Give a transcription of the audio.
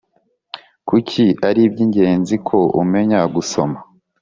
Kuki ari iby ingenzi ko umenya gusoma